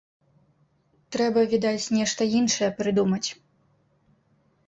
Трэба, відаць, нешта іншае прыдумаць.